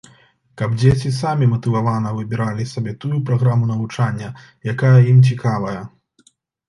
Каб дзеці самі матывавана выбіралі сабе тую праграму навучання, якая ім цікавая.